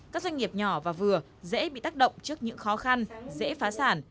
các doanh nghiệp nhỏ và vừa dễ bị tác động trước những khó khăn dễ phá sản